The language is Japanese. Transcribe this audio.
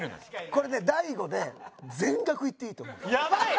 これね大悟で全額いっていいと思うんですよ。